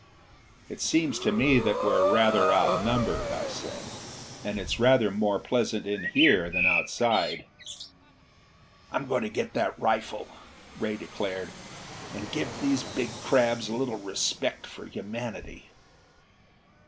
"It seems to me that we're rather outnumbered." I said. "And it's rather more pleasant in here than outside." "I'm going to get that rifle," Ray declared, "and give these big crabs a little respect for humanity!"